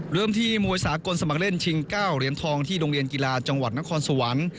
เริ่มที่มวยสากลสมัครเล่นชิง๙เหรียญทองที่โรงเรียนกีฬาจังหวัดนครสวรรค์